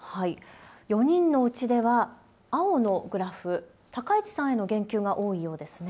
４人のうちでは青のグラフ、高市さんへの言及が多いようです